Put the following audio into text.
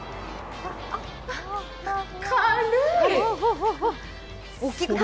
軽い！